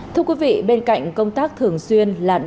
thưa quý vị bên cạnh công tác thường xuyên